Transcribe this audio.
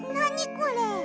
これ。